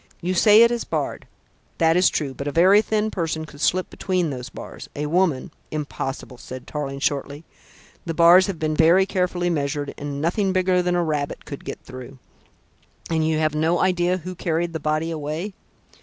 You say it is barred that is true, but a very thin person could slip between those bars. A woman " "Impossible," said Tarling shortly. "The bars have been very carefully measured, and nothing bigger than a rabbit could get through. And you have no idea who carried the body away?"